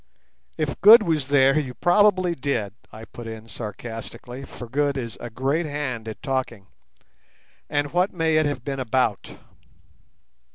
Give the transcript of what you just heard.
"If Good was there you probably did," I put in sarcastically, for Good is a great hand at talking. "And what may it have been about?"